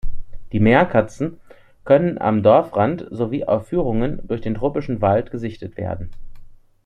Die Meerkatzen können am Dorfrand sowie auf Führungen durch den Tropischen Wald gesichtet werden.